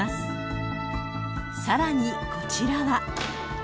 ［さらにこちらは］